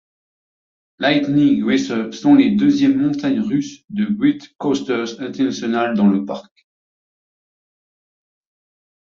Lightning Racer sont les deuxièmes montagnes russes de Great Coasters International dans le parc.